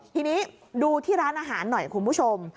ทีนี้ดูที่ร้านอาหารหน่อยคุณผู้ชม